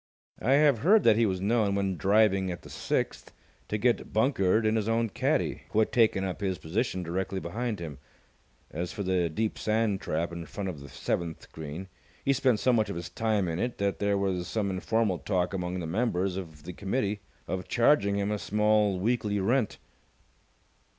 I have heard that he was known, when driving at the sixth, to get bunkered in his own caddie, who had taken up his position directly behind him. As for the deep sand trap in front of the seventh green, he spent so much of his time in it that there was some informal talk among the members of the committee of charging him a small weekly rent.